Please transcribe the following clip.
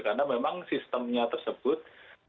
karena memang sistemnya tersebut dari awal tidak jelas